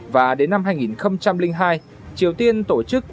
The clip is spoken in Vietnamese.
và đến năm hai nghìn hai triều tiên tổ chức